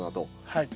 はい。